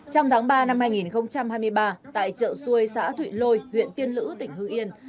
trong tháng ba năm hai nghìn hai mươi ba tại chợ xuôi xã thụy lôi huyện tiên lữ tỉnh hương yên